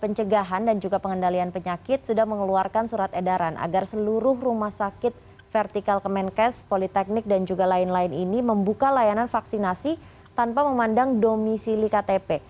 pencegahan dan juga pengendalian penyakit sudah mengeluarkan surat edaran agar seluruh rumah sakit vertikal kemenkes politeknik dan juga lain lain ini membuka layanan vaksinasi tanpa memandang domisili ktp